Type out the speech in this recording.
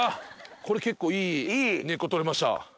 これ結構いい根っこ採れました。